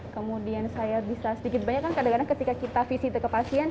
kemudian saya bisa sedikit banyak kan kadang kadang ketika kita visi ke pasien